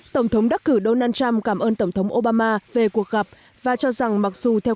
tổng thống đắc cử donald trump cảm ơn tổng thống obama về cuộc gặp và cho rằng mặc dù theo